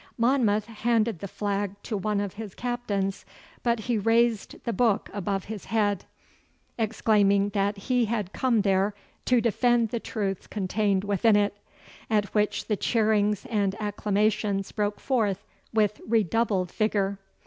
Monmouth handed the flag to one of his captains, but he raised the book above his head, exclaiming that he had come there to defend the truths contained within it, at which the cheerings and acclamations broke forth with redoubled vigour.